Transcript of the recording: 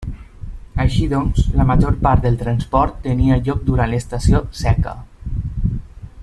Així doncs, la major part del transport tenia lloc durant l'estació seca.